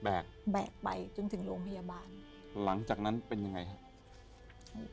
แบกไปจนถึงโรงพยาบาลหลังจากนั้นเป็นยังไงฮะ